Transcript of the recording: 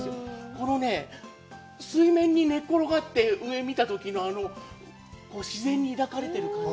このね、水面に寝転がって、上見たときの自然に抱かれてる感じ。